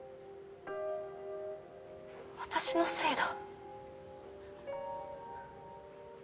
私のせいだ。